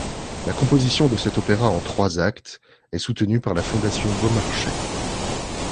La composition de cet opéra en trois actes est soutenue par la Fondation Beaumarchais.